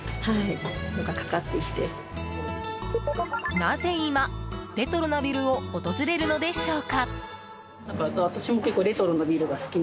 なぜ今、レトロなビルを訪れるのでしょうか。